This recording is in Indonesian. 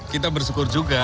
kita bersyukur juga